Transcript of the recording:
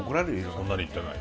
そんなにいってない。